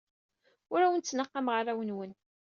Ur awen-ttnaqameɣ arraw-nwen.